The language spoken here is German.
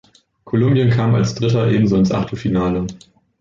Kolumbien kam als Dritter ebenso ins Achtelfinale.